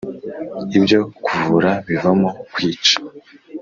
ibyo kuvura bivamo kwica